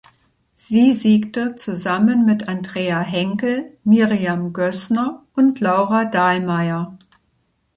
Sie siegte zusammen mit Andrea Henkel, Miriam Gössner und Laura Dahlmeier.